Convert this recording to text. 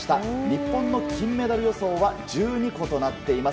日本の金メダル予想は１２個となっています。